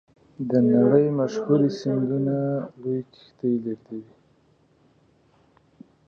د نړۍ مشهورې سیندونه لویې کښتۍ لیږدوي.